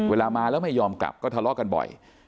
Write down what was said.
เวลามาแล้วไม่ยอมกลับก็ทะเลาะกันบ่อย